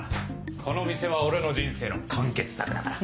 この店は俺の人生の完結作だから。